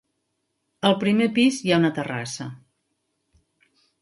Al primer pis hi ha una terrassa.